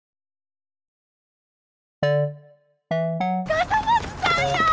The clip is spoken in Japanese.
笠松さんや！